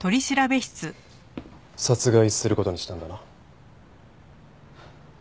殺害する事にしたんだな。